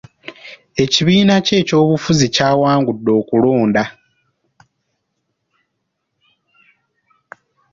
Ekibiina kye eky'obufuzi kyawangudde okulonda.